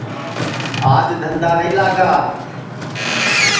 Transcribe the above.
آج دھندا نائی لاگا